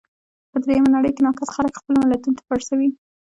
په درېیمه نړۍ کې ناکس خلګ خپلو ملتو ته پړسوي.